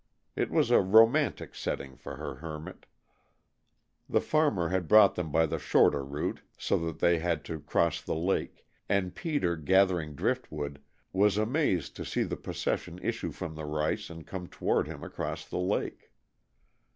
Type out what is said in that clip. It was a romantic setting for her hermit. The farmer had brought them by the shorter route, so that they had to cross the lake, and Peter, gathering driftwood, was amazed to see the procession issue from the rice and come toward him across the lake.